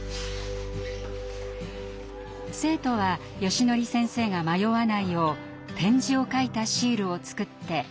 生徒はよしのり先生が迷わないよう点字を書いたシールを作って貼っていきました。